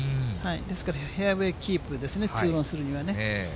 ですからフェアウエーキープですね、２オンするにはね。